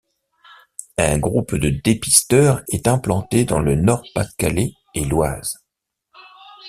Un groupe de dépisteurs est implanté dans le Nord-Pas-de-Calais et l’Oise.